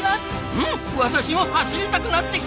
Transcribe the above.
うん私も走りたくなってきた！